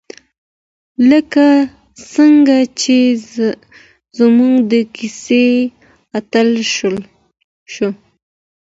لکه څنګه چې زموږ د کیسې اتله شوه.